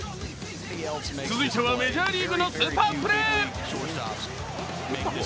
続いてはメジャーリーグのスーパープレー。